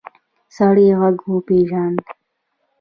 سړی غږ وپېژاند.